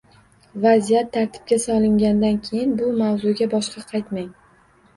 Vaziyat tartibga solingandan keyin bu mavzuga boshqa qaytmang.